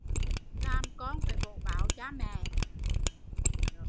Làm con phải bổ báo cha mẹ